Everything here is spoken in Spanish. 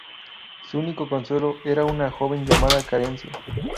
Su único consuelo, era una joven llamada Carencia.